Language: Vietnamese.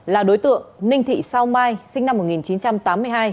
là đối tượng ninh thị sao mai sinh năm một nghìn chín trăm tám mươi hai